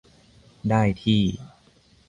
ได้ที่